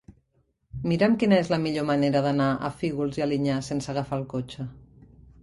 Mira'm quina és la millor manera d'anar a Fígols i Alinyà sense agafar el cotxe.